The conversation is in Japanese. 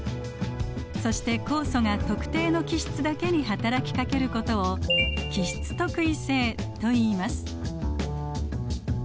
そして酵素が特定の基質だけにはたらきかけることを基質特異性といいます。